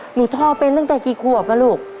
หนูท่อเป็นตั้งแต่กี่ขวบอ่ะลูก